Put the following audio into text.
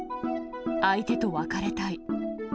相手と別れたい。